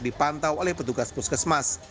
dibantau oleh petugas puskesmas